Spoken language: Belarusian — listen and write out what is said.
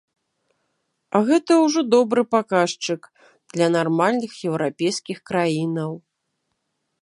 А гэта ўжо добры паказчык для нармальных еўрапейскіх краінаў.